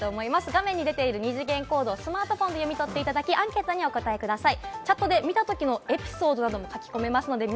画面に出ている二次元コードをスマートフォンで読み取っていただき、アンケートにお答えください。